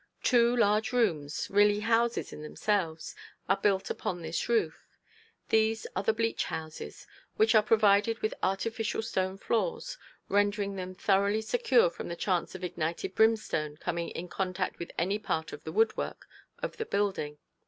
Two large rooms, really houses in themselves, are built upon this roof; these are the bleach houses, which are provided with artificial stone floors, rendering them thoroughly secure from the chance of ignited brimstone coming in contact with any part of the woodwork of the building.